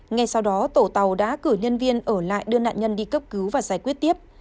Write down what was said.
ngay sau đó tổ tàu đã cử nhân viên ở lại đưa nạn nhân đi cấp cứu và giải quyết tiếp